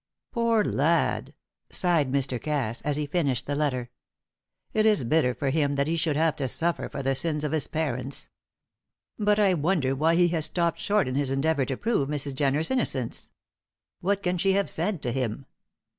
"Poor lad!" sighed Mr. Cass, as he finished the letter. "It is bitter for him that he should have to suffer for the sins of his parents. But I wonder why he has stopped short in his endeavour to prove Mrs. Jenner's innocence? What can she have said to him?